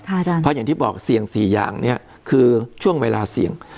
เพราะอย่างที่บอกเสี่ยง๔อย่างนี้คือช่วงเวลาเสี่ยง